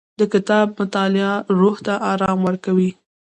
د کتاب مطالعه روح ته ارام ورکوي.